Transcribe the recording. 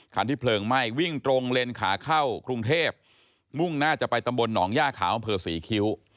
ที่เพลิงไหม้วิ่งตรงเลนขาเข้ากรุงเทพมุ่งหน้าจะไปตำบลหนองย่าขาวอำเภอศรีคิ้ว